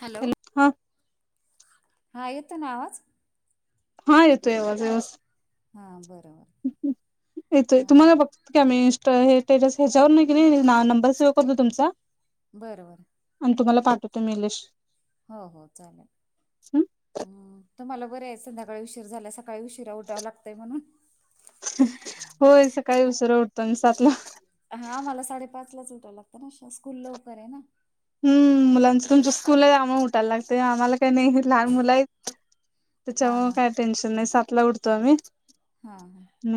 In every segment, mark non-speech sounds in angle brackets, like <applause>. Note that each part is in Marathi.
हॅलो.... हा... येतो ना आवाज? हा... येतोय आवज व्यावस <inaudible> हा... बरोबर येतो... हा तुम्हाला प मी इंस्टा. हे टेस ह्याच्यावर नाही की. नाही नंबर सेव्ह करतो तुमचा. बरं... बरं... <inaudible> तुम्हाला पाठवतो मी लिस्ट. हो... हो... चालेल. तुम्हाला बरे आहे. संध्याकाळी उशीर झाल्या. सकाळी उशीरा उठावं लागतंय म्हणून? होय... सकाळी उशिरा उठतो आणि सातला. हा, मला साडेपाच ला ऊटावं लागतं. ना स्कूल लवकर आहे ना. हम्... मुलांचं तुमच स्कूल आहे. आम्हा उठायला लागत. आम्हाला काही नाही, लहान मुलं आहे. हा त्याच्यामुळे हा काय टेन्शन नाही. साातला उठ तो आम्ही. हा.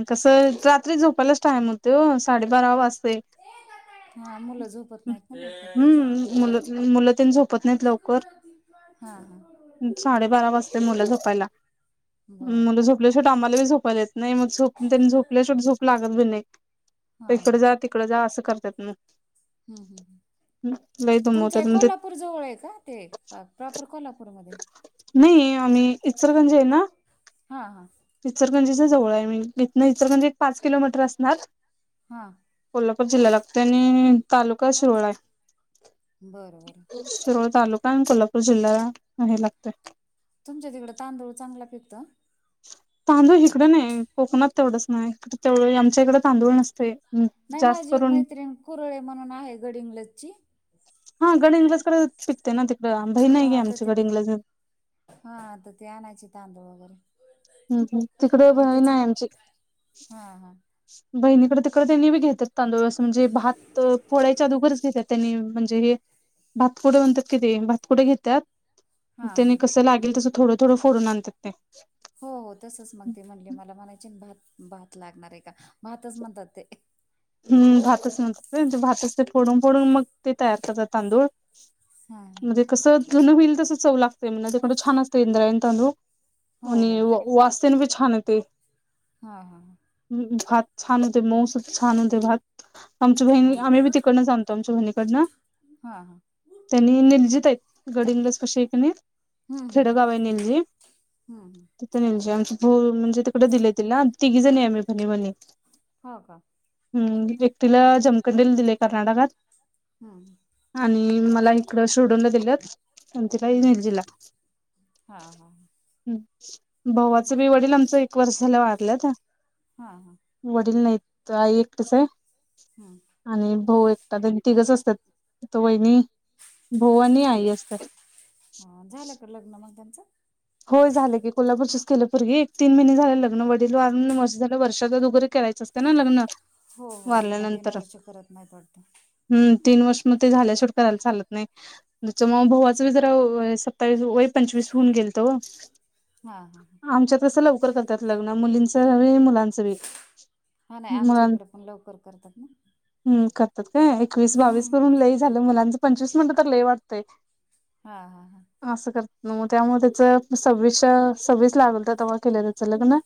कसं रात्री झोपायलाच टाइम होते ओ साडेबारा वाजतेय. हा मुलं झोपत नाहीत ना मुल मुलंतेनी झोपत नाहीत लवकर. हा हा साडेबारा वाजताय मुलं झोपायला. बरं मुलं बरं झोपल्या शेवटी आम्हाला बी झोपायला ये नाही मग झोप त्यांनी झोपल्या शेवटी झोप लागत बी नाही. हा इकडे हम्म जा तिकडे जा असं करतात ना. हम्म हम्म लई तुमच हे दमवतात मग ते कोल्हापूर जवळ आहे का ते प्रॉपर कोल्हापूरमध्ये नाही आम्ही इचरगंज आहे ना हा हा इचरगंजीच्या जवळ आहे मी. इथंन इचरगंजी एक पाचकिलोमीटर असणार. हा कोल्हापूर जिल्हा लागतेय आणि तालुका शिरोळा आहे. बरं बरं शिरोळ तालुका कोल्हापूर जिल्ह्याला हे लागतंय. तुमच्या तिकडं तांदूळ चांगला पिकतो तांदूळ हिकडं नाहीय कोकणात तेवढंच नाही तेवढ आमच्या इकडे तांदूळ नसतय. नाही माझी एक मैत्रिण कुरळे म्हणून आहे गडिंग्लजची. हा गडहिंग्लज कडे शिकते ना तिकडें आ बहीन आहे की हा तर आमची तिथे गडहिंग्लज हा आता ते आणायचे तांदूळ वगैरे हम्हम तिकडे बहिण इथंच आहे आमची हा हा बहिणीकडे तिकडे त्यांनी बी घेतात तांदूळ अस म्हणजे भात फोळाय जादूगरच घेतात त्यांनी म्हणजे हे भातकुडे म्हणतात कि ते भातकुडे घेतात. हा त्याने हा कसं लागेल तसं थोडं थोडं फोडून आणतात ते. हो हो तसच मग ते म्हणले मला म्हणायचे भात भात लागणार आहे का भातच म्हणतात ते हम् भातच म्हतात भातच ते फोडून फोडून मग ते तयार करतात तांदूळ. हा म्हणजे कसं जुन होईल तसं चव लागते म्हणे तिकडं छान असतय इंद्रायनि तांदूळ. हो हो हम वास तेन बी छान येतोय. हा हा. भात छान होते मऊ सुत छान होते भात. आमची बहिण हा आम्ही बी तिकडनं आणतो आमच्या बहिणीकडनं हा हा त्यांनी निलजित आहेत. गडिंग्लज कशी आहे कणी हम्म हम्म खेडगाव आहे निलजी हम्म हम्म. निजामभू म्हणजे तिकडे दिलय तिला तिघी जनी आहे आम्ही बहिणी बहिणी हो का. हम् ऐकटीला जमखंडेल दिलय कर्नाटकात. हम्म. आणि मला इकडं शिरढोणला दिल्यात आमची बहिण हम्म निलजिला. हा हा. भावाच बरे बी वडील आमचं एक वर्ष झालं वारल्यात हा हा वडील नाहीत आई एकटेच आहे. हम्म आणि भाऊ एकटा द तिघच असतात तो वहिणी भाऊ आणि आई असतात. ह झालं का लग्न मग त्यांचं होय झालं की कोल्हापूरचेच केलं पोरगी एक तीन महिने झाले लग्न वडीला वारून वर्ष झाल वर्षा बरोबर करायचंं. ते ना लग्न- हो हो पुन्हा तीन वारल्यानंतर वर्ष करत नाहीत वाटतं. हम्म तीन वर्ष मग ते झाल्या शेवट करायला चालत नाही. जच्या मग भ भावाची जरा सत्तावीस वय पंचवीस होऊन गेल. हा हा हा आमच्यात कस लवकर कर. त्यात लग्न मुलींच बी मुलांचं बी - हा नाही आमच्या इकडे पण लवकर करतात ना. हम करतात काय एकवीस बावीस हम्म करून लई झालं मुलांचं पंचवीस म्हनटं तर ल वाटतंय. हा हा हा. असं करत ना मग त्यामुळे त्याच सव्वीसच्या सव्वीस लागल तर तेव्हा केलं त्याच लग्न.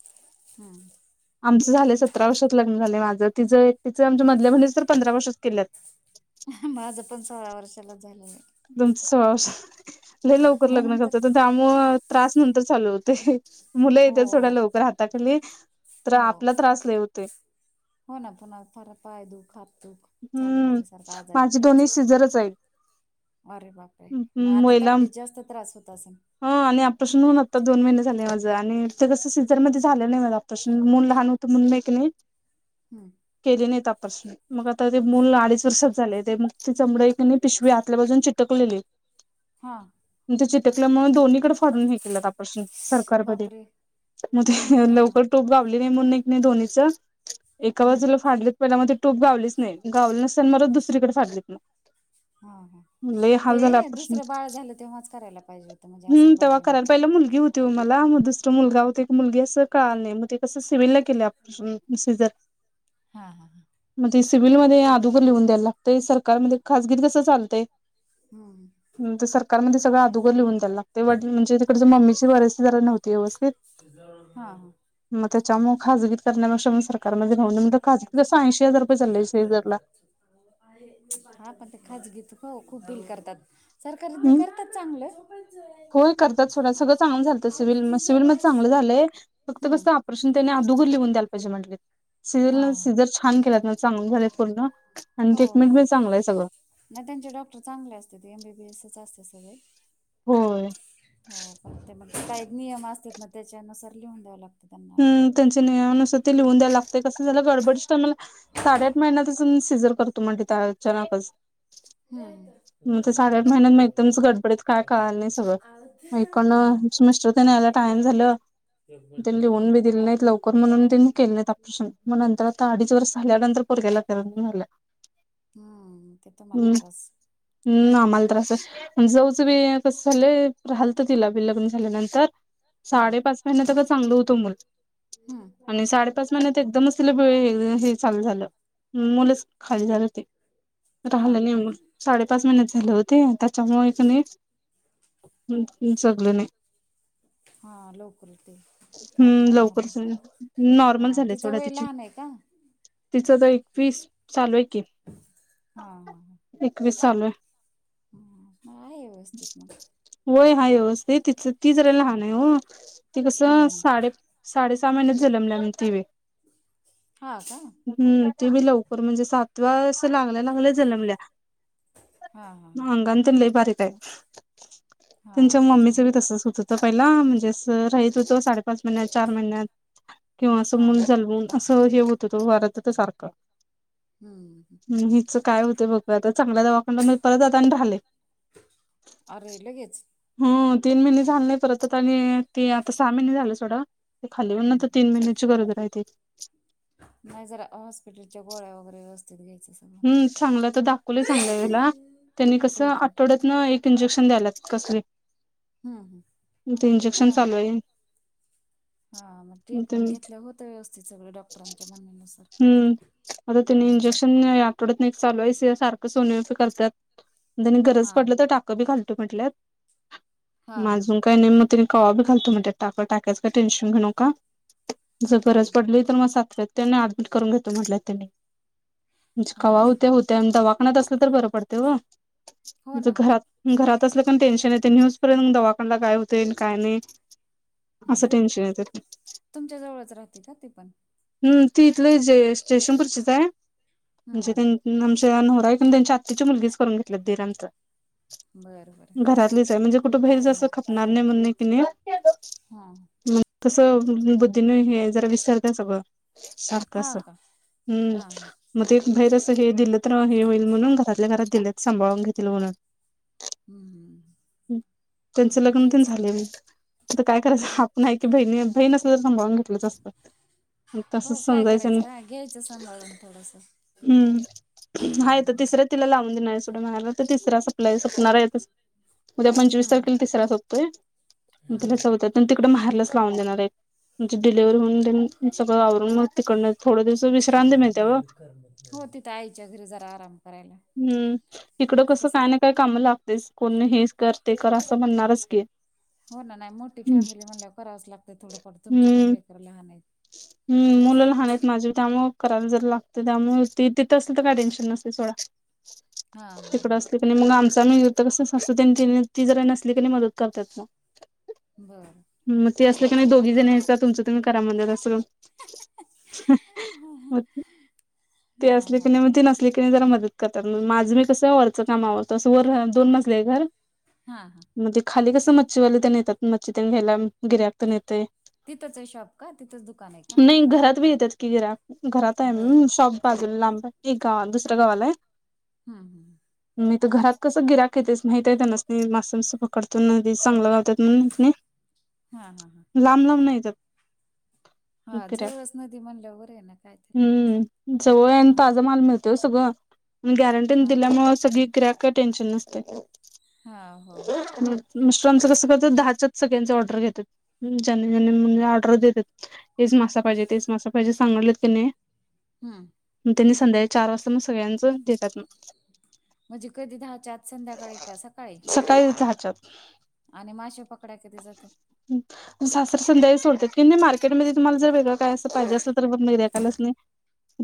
हम्म. आमचं झाले सतरा वर्षात लग्न झाले माझ तिचं तिचं आमच्या मधल्या मुलीच तर पंधरा वर्षात केल्यात. माझं पण सोळा वर्षाला झालंय. तुमच सोळा लय लवकर लग्न म्हणून तर झळत. मग त्रास नंतर चालू होतय. मुलं हो येत्यात सोडा लवकर अताची लेई खर हो आतला त्रास लय होतोय. हो ना पुन्हा फार पाय दुख हात दुख चालू हम्म होते सारखं आजारी माझे दोन्ही पडायचं. सिझरच <unintelligible> अरे बाप रे मग आता महिला थंडीत आता जास्त त्रास होत असेन. ह आणि ऑपरेशन होऊन आत्ता दोन महिने झाले माझं आणि ते कसं सीझर मध्ये झालं नाही माझ ऑपरेशन मन लहान हो- मुन बकनी. हम्म. केली नाही आपरसून मग आता ते मूल अडीच वर्षात झाले ते मग ति चमड पिशवी आ. आतल्या बाजून चिटकलेली. हां. तणच्या चिटकल्यामुळे दोनहीकडे फडरून हे केलं आपरसन. सरकारमध्ये बापरे हा लवकर. त्यात गावली नाही म्ह एक नाही दोनीच एका हम्म बाजूला फाडलित. पहिला मला टूब गावलीच नाही गावली नसल म दुसरीकड सरलित मग. हा हा लय हाल ते झाला ऑपरेशन दुसरं बाळ झालं तेव्हाच करायला पाहिजे होत म्हणजे असा प्रॉब्लेम होता. त मला मग दुसरं मुलगा होते एक मुलगी असं कळाल नाही मग ते कसं. सिविल केलय ऑपरेशन सीझर. हा हा हा मग ते सिव्हिलमध्येध्ये अगोदर लिहून द्यायला लागतंय सरकारमध्ये खासगी कस चालंय. हा. सरकारमध्ये सगं आगोदर लिहून दयला लागते म्हणजे तिकडडें मम्मीची परिस्थती झारा नव्हती व्यवस्थित. हा हा. मग त्याच्यामु खाजगी करण्यापेक्षाग सरकारमध्येेऊ खागी अस ऐंशी हजार रुपये चाल आहेशे हजारला. हा पण ते खचगीेत खूप बील करतात. सरकार ते बी हम्म करतात चांगलं प. होय करतात सोडा सगळं चांगलं झालतं सिव्हिल सिव्हिलमध्ये चांगलं झालंय फक्त कसं ऑपरेशन कस त्यांनी आगोदर लिहून द्यायला पाहिजे मटले. हा सिविल हा सिझर छान केलात ना चांग झाले पूर्ण आनी हो ट्रीटमेंट हो बी चांगली आहे सगळं. नाही त्यांचे डॉक्टर चांगले असते ते एमबीबीएस असते सगळे. होय. हो फण ते मग काही नियम असत ना त्याच्यानुसार लिहून द्यावं लागत. ह् त्यांचे नियनुसार ते लिहून द्याय लागत कसं झा गडबडी च्य टीमला. साडेआठ महिन्यातचून सीझर करतो म्हणल्यात अचानकच. हम्म मग ते साडेआठ महिन्यात मग एकदमच गडबडीत काय कळाल नाही सगळं मग हा हिकडं मिस्टर ते यायला टाइम झालं. हम्म लिहून बी दिले नाहीत लवकर म्हणून त्यांनी केले ऑपरेशन मग नंतर आता अडीच वर्ष झाल्यानंतर पोरग्याला त्रास झालं. हम्म ते तुम्हाला त्रास. हम् आम्हाला त्रास हाय. जाऊच बी कस झालं राहालत तिला लग्न झाल्यानंतर. हा साडेपाच महिन्यात चांगलं होतं मुल हम्म आणि साडेपाच महिन्यात एकदमच ति हे चालू झालं मुलंच खाली झालं ते. हा राहिलं नाही मग साडेपाच महिनचं झालं हो ते त्याच्यामुळे कणी जगल नाही. हा लवकर ते. हम्म लवकरच झालं नॉर्मल हा झाल्या तिचं सोडा वय तिची. लहान आहे का तिचं आता एकवीस चालू आहे की. हा हा ह. एकवीस चालु हाय. ह मग आहे व्यवस्थ होय हाय व्यवस्थति ती ती जरा लहान आहे हो. च हम्म साडे साडे सहा महिन्यात जन्मल्या म्हण ति बी. हा का? हम्म ते बी लवकर म्हणजे सातवा लागल्या लागल्या जनमल्या. हा हा म्हणताना ती लई बारीक आहे हा त्यांच्या मम्मीच त्याच्यामुळे बी काय तसच होत. पहिला म्हणजे असं राहीत होतो, साडेपाच महिन्यात चार महिन्यात किंवा हा असं मूल हा जन्मून असं हे होत होतो वरात होत सारखं. हम् ह. हिचं काय होते बघूया आता चांगल्या दवाखान्याला म परत आता आणि राहिलय. अरे लगेच हो तीन महिने झाले नाही परत आता आणि ते आता सहा महिने झाले सोडा ते खाली होऊन हम्म नंतर तीन महिन्याची गरोदर आहे ती. नाही जरा हॉस्पिटलच्या गोळ्या वगैरे व्यवस्थित घ्यायच. हम्म चांगलं तर दाखवलय चांगल्या हेला त्यांनी कसं ट्रीटमेंट आठवड्यात न एक इंजेक्शन द्यायला कसले हम्म हम्म ते इंजेक्शन हा चालू आहे. हा मग ट्रीटमेंट घेतल्या होतं व्यवस्थित सगळ डॉक्टरांच्या म्हणण्यानुसार. हम्म आता तिन हम्म इंजेक्शन आठवड्यातन एक चालू आहे. सारख सोनोग्राफी करत्यात. पण गरज हा पडली तर टाक की घालतो म्हटल्यात हा म हा अजून हा काय नाही मग तरी कवा बी घालतो म्हणल्यात टाका टाकायच का टेन्शन घेऊ नका जर हा हा गरज पडली तर मग सातव्यात त्यांना ऍडमिट करून घेतो म्हटल्यात त्यांनी. म्हणजे हा हा कवाहत्या होत्या आणि दवाखान्यात असल्या तर बरं पडते व हो म्हणजे ना घरात घरात असलं कणी टेन्शन येते न्हेउपर्यंत मग दवाखान्याना काय होते काय नाही. असं हम् टेन्शन येतंय. तुमच्या जवळच राहते का ती पण? हम् ती इथलं ज स्टेशनपूरचीच आहे. म्हणजे हम्म त्यां आमच्या नवरा हाय त्यांच्या आत्ताची मुलगीच करून घेतली दीर आमच. हम्म बरं बरं घरातलीच आहे म्हणजे कुठबाहीर जसं ख नाने मुने किने. हां <unintelligible> कसं बुद्धीन हे जरा विसरतीया सगळं. सारख हा अस का हां मग ते एक बाहेर असं हे दिलं तर हे होईल म्हणून घरातल्या घरात दिल्यात सांभाळून घेतील म्हणून हम. ् त्यांच लग्न तेन झाले हो. आता काय तुमचं करायचं आपण आहे की बहीणी बहीण अस ज सांभाळून घेतलंच असतं. ग हो तसच काय समजायचं. करायचं हा घ्यायचं सांभाळून थोडंसं हम्म हा येत तिसऱ्या तिला लावून देणार सोढा माहेरला तर तिसरा संपलाय सपणार आहे. उद्या पंचवीस तारखेल तिसरा सोपतोय. हम्म चौथ्यात पण तिकडे माहेरलाच लावून देणार आहेत. म्हणजे डिलेव्हरी म्हण सगळं आवरून मग तिकडन थोड दिवस विश्रांती मिळत्या गं. हो तीथ जरा आईच्या घरी जरा आराम. करायला हम्म इकडं कसं काय ना काय काम लागते कोण हे कर ते कर असं म्हणणारच की. हो ना नाही मोठी हम्म फॅमिली म्हणल्यावर करावच लागते थोडंफार तुमचे पण लेकर लहान आहेत. हम् मुलं लहान आहेत माझी त्यामुळे करायला जर लागत त्यामुळे तिथं असेल तर काय टेन्शन नसते सोडा. हा हा तिकड हा अस मग आमचमहीत कस असतो त्यां ती जरा नसली क मदत करतात ना बरं. मग ते असलं क नाही दोघी जण तुमं तुही करा म्हणतात ते असले न हा <unintelligible> हा क नाही जरा मदत करतात माझं मी कसं वरचं कामावरत असं वर दोन मजले घर हा हा. म्हणजे खाली कसं मच्छीवाले त्याश येतात मच्छी त्या घ्यायला गिर्‍हाईक पण येतय. तिथंच आहे शाॅप? का तिथच दुकान आहे. का नाही घरात बी येतात की गरा घरात आहे बर शॉप बाजूला लांब. एक गाव दुसऱ्या गावालाय आहे. हम हम. मी तर घरात कसं गिराक येतेस माहित आहे त्यां नास नाही मास्ं मस पकडतो चांगलं म्हण हा हा हा लांब लांब नाहीेत. हा जवळच नदी म्हणल्यावर आहे ना काय तर हम्म जवळ आहे आणि हा ताजा माल मिळतो. ते सगळं गॅरंटी हा दिल्यामुळे सगळी ग्रॅक टेन्शन नसते. हा हो हम्म. मिस्टरांचा कसं करत दहाच्याच सगळ्यांच ऑर्डर घेतात जनी ज म्हणजे ऑर्डर देतात. तेच मासा पाहिजे तेच मासा पाहिजे सांगलेत क नाही. हम्म मग त्यांनी संध्याकाळी चार वाजता मग सगळ्यांच देतात मग म्हणजे कधी दहाच्या आज संध्याकाळी का सकाळी? सकाळी दहा चा आत. आणि मासे पकड्या कधे जातील? सासत्र संध्याकाळी सोडतात की मार्केटमध्येध्ये तुम्हाला जर वेगळ. काय अस पाहिजे असल तर मर्याकालच नाही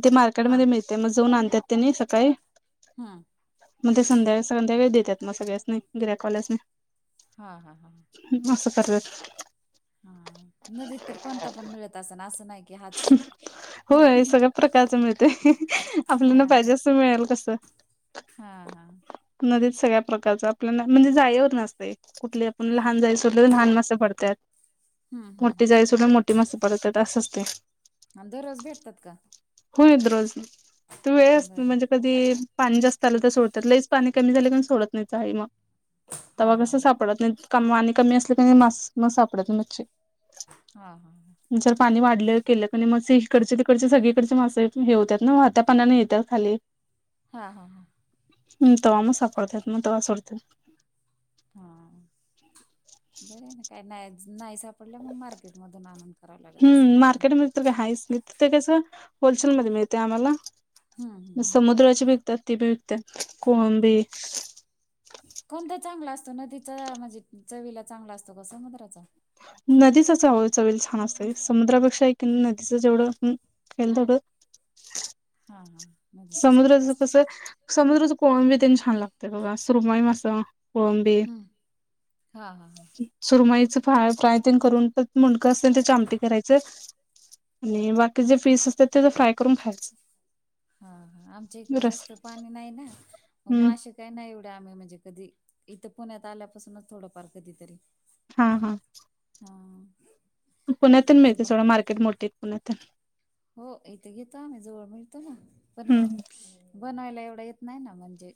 ते हा मार्केटमध्ये मिळ. ते मग जाऊन आणतात त्यांनी सकाळी. हा म्हणजे संध्याकाळी संध्याकाळी देतात सगळ्यासनी गिर्‍हाईक वाल्यांसनी हा हा हा... हम्म असं करतात हा नदीत तर कोणता पण मिळत अस ना असं नाही की हाच हो सगळ्या प्रकारच मिळते हा आपल्याला हा पाहिजे असं मिळेल कसं हा हा.. नदीत सगळ्या प्रकारच आपल्याला म्हणजे जाईवर नसते कुठली आपण हा लहान जाळी सोडली तर लहान मासे पडतात हम्म मोठी हम्म जाळी सोड की मोठी मासे पडतात अस असते आणि दररोज भेटतात का? होय रोज तू वेळ असत बरं म्हणजे कधी पाणी जास्त आलं तर सोडतात लईच पाणी कमी झाले पण सोडत नाहीत जाळी मग हा तेव्हा हा कसं हा सापडत नाही. क आणि कमी असल्या की मास मग सापडत मच्छी हा हाहा.... जर पाणी वाढल? केलं क मासे हीकडचे तिकडचे सगळीकडचे मासे हे होतात ना वाहात्या पानाने येतात खाली हा हा हा... हम्म तवा म सापडतात मग तवा सोडतात हा बर ना काय नाही नाही साप डल्या मग मार्केट मधून आणनून करावं लागत असंन हाय का नाही ते तर काय आहेच नाही तर ते कस होलसेलमध्ये मिळते आम्हाला हम्म हम्म हम्म समुद्राचे विकतात बेबी विकत्यात कोळंबी कोणता चांगला असतो नदीचा म्हणजे चवीला चांगला असतो का समुद्राचा? नदीच चव चवीला छान असत समुद्रापेक्षा आहे की नदीच जेवढं वेलदोड हा हा.. नदीचा चांगला समुद्राच असतो कसं समुद्राचं कोळंबी तेन छान लागत बघा सुरमाई मासा. कोळंबी हम्म हा हा हा सुरमाईच फ्राय फ्राय ते करून पण मुंडकं असतील तेच्या आमटी करायचं आणि बाकी हा जे फीस असतात ते फ्राय करून खायचं हा हा आमच्या इकडे रस जास्त पाणी नाही ना मग हम्म मासे काही नाही एवढे आम्ही म्हणजे कधी इथं पुण्यात आल्यापासूनच थोडंफार कधीतरी हा हा.. हा.. ते पुण्यातून ते मिळते बा थोडं मार्केट मोठी पुण्यातून हो इथे घेतो आम्ही जवळ मिळतो ना पण हम्म बनवायला एवढं येत नाही ना म्हणजे.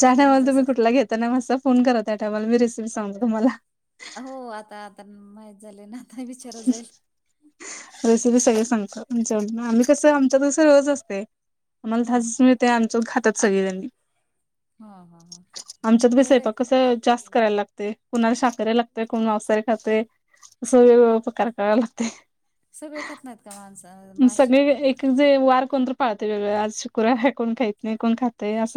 ज्या टायमाला तुम्ही कुठला घेतता ना मासा फोन करा त्या टायमाला मी रेसिपी सांगते तुम्हाला हो आता आता माहीत झाले ना आता विचार जाईल रेसिपी सगळे सांगत आ आम्ही कसं आमच्या दिवस रोज असते हा आम्हाला ते आमच्यात खातात सगळे जण हा हा हा आमच्यात बरं आहे. स्वयंपाक कस जास्त करायला लागते कुणाला शाकाहारी द्याव्या लागत तर कोण मांसाहार खाते अस वेगवेगळे प्रकार करायला लागते सगळे खात नाहीत तर माणसं मासे सगळे एक जे वार कोणत पाळते वेगळ आज शुक्रवार कोण खात नाही कोण खात ते अस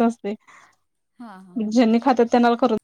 हा हा असतयं, हा ज्यांनी खातात त्यांना करून